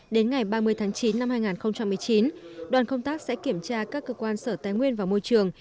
đến ngày ba mươi tháng chín năm hai nghìn một mươi chín đoàn công tác sẽ kiểm tra các cơ quan sở tài nguyên và môi trường